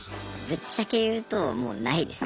ぶっちゃけ言うともうないですね。